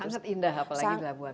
sangat indah apalagi labuan bajo